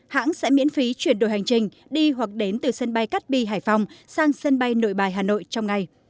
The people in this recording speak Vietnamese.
hãng sẽ miễn phí chuyển đổi hành trình đi hoặc đến từ sân bay cát bi hải phòng sang sân bay nội bài hà nội trong ngày